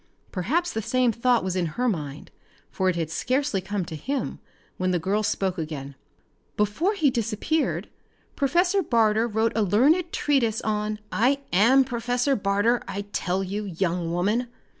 Perhaps the same thought was in her mind, for it had scarcely come to him when the girl spoke again. "Before he disappeared Professor Barter wrote a learned treatise on " "I am Professor Barter, I tell you, young woman.